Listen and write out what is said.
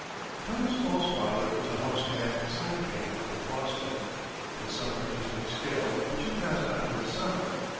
Thomas Ball's father was a house and sign painter of Boston, with some artistic skill, which he passed on to his son.